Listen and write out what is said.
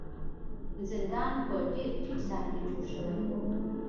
زندان په ډیر ټیټ ځای کې جوړ شوی و.